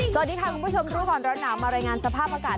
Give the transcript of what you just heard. สวัสดีค่ะคุณผู้ชมรู้ก่อนร้อนหนาวมารายงานสภาพอากาศ